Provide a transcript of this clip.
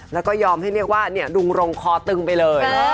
แล้วก็ยอมให้เรียกว่าดุงรงคอตึงไปเลย